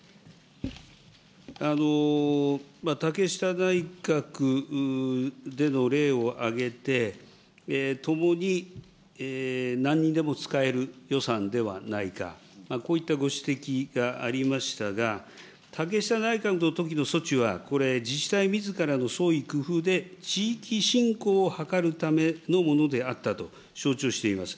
竹下内閣での例を挙げて、ともになんにでも使える予算ではないか、こういったご指摘がありましたが、竹下内閣のときの措置はこれ、自治体みずからの創意工夫で地域振興を図るためのものであったと承知をしています。